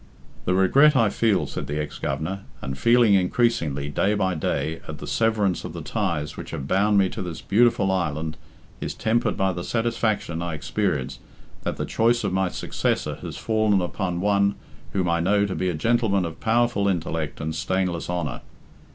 "The regret I feel," said the ex Governor, "and feel increasingly, day by day, at the severance of the ties which have bound me to this beautiful island is tempered by the satisfaction I experience that the choice of my successor has fallen upon one whom I know to be a gentleman of powerful intellect and stainless honour.